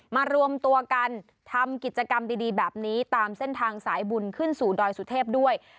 มารวมตัวกันทำกิจกรรมดีแบบนี้ตามเส้นทางสายบุญขึ้นสู่ดอยสุเทพด้วย